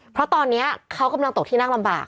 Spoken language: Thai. เพราะตอนนี้เขากำลังตกที่นั่งลำบาก